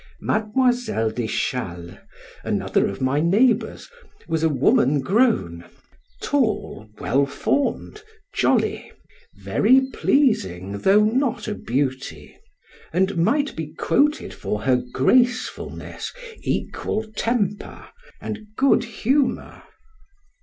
Mademoiselle des Challes, another of my neighbors, was a woman grown, tall, well formed, jolly, very pleasing though not a beauty, and might be quoted for her gracefulness, equal temper, and good humor.